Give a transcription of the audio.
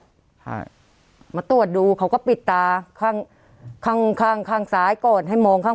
ใช่มาตรวจดูเขาก็ปิดตาข้างข้างข้างข้างซ้ายก่อนให้มองข้าง